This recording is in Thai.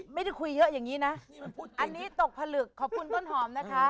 ไม่ได้คุยเยอะอย่างนี้นะอันนี้ตกผลึกขอบคุณต้นหอมนะคะ